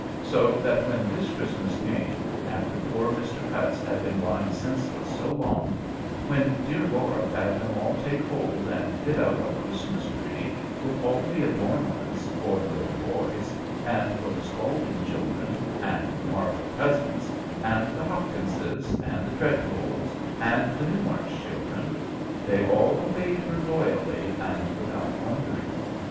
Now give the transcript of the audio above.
So that when this Christmas came, after poor Mr. Cutts had been lying senseless so long, when dear Laura bade them all take hold and fit up a Christmas tree, with all the adornments, for the little boys, and for the Spaulding children, and the Marvel cousins, and the Hopkinses, and the Tredgolds, and the Newmarch children, they all obeyed her loyally, and without wondering.